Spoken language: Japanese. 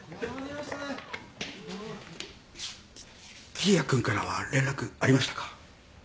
桐矢君からは連絡ありましたか？